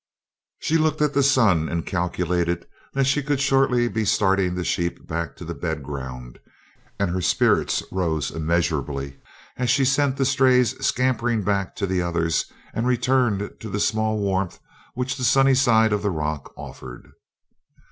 She looked at the sun and calculated that she could shortly be starting the sheep back to the bed ground, and her spirits rose immeasurably as she sent the strays scampering back to the others and returned to the small warmth which the sunny side of the rock afforded.